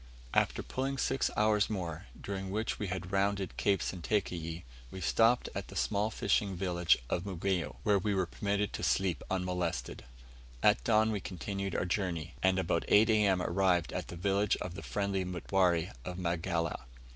After pulling six hours more, during which we had rounded Cape Sentakeyi, we stopped at the small fishing village of Mugeyo, where we were permitted to sleep unmolested. At dawn we continued our journey, and about 8 A.M. arrived at the village of the friendly Mutware of Magala.